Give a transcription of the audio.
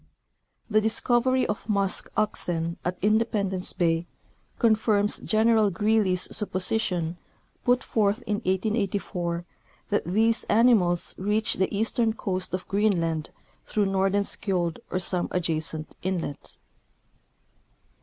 The discovery of musk oxen at Independence bay confirms General Greely's supposi tion, put forth in 1884, that these animals reach the eastern coast of Greenland through Nordenskiold or some adjacent inlet.